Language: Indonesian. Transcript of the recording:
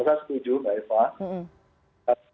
saya setuju mbak eva